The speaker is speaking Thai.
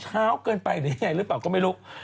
หาวเกินไปหรือเปล่าก็ไม่รู้